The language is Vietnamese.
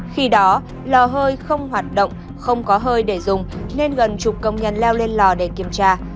khi đó lò hơi không hoạt động không có hơi để dùng nên gần chục công nhân leo lên lò để kiểm tra